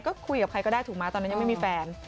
ก็คุยกับใครก็ได้ถูกไหมตอนนั้นยังไม่มีแฟน